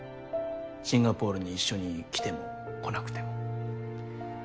シンガポールに一緒に来ても来なくても。